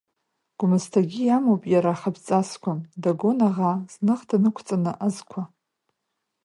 Гәмсҭагьы иамоуп иара ахатә ҵасқәа, дагон аӷа, зных днықәҵаны азқәа.